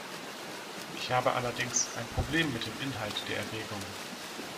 Ich habe allerdings ein Problem mit dem Inhalt der Erwägungen.